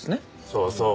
そうそう。